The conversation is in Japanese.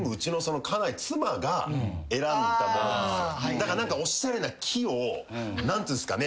だからおしゃれな木を何ていうんですかね。